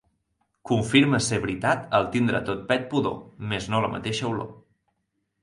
Confirma ser veritat el tindre tot pet pudor, mes no la mateixa olor.